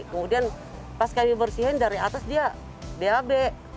kemudian pas kami bersihin dari atas dia bab